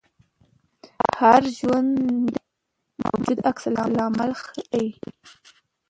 هر ژوندی موجود عکس العمل ښيي